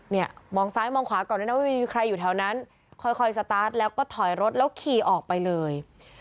เนี่ยมองซ้ายมองขวาก่อนด้วยนะว่าไม่มีใครอยู่แถวนั้นค่อยสตาร์ทแล้วก็ถอยรถแล้วขี่ออกไปเลย